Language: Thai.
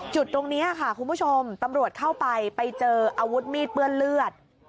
จุดตรงนี้ค่ะคุณผู้ชมตำรวจเข้าไปไปเจออาวุธมีดเปื้อนเลือด